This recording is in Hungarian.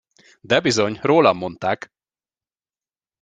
De bizony, rólam mondták!